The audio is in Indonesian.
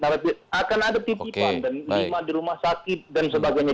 karena ada tipi pan dan lima di rumah sakit dan sebagainya